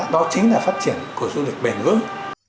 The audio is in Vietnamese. đó chính là phát triển của du lịch bền vững